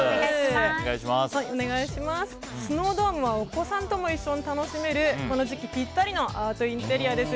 スノードームはお子さんとも一緒に楽しめるこの時期ぴったりのアートインテリアです。